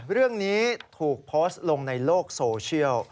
เรื่องนี้ถูกโพสต์ลงในโลกโซเชียล